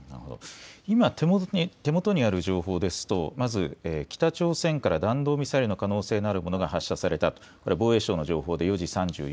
今、手元にある情報ですとまず北朝鮮から弾道ミサイルの可能性のあるものが発射された、防衛省の情報で４時３４分。